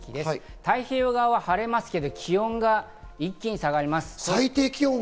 太平洋側は最低気温が一気に下がります。